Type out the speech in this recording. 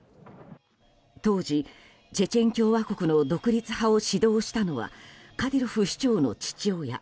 当時、チェチェン共和国の独立派を指導したのはカディロフ首長の父親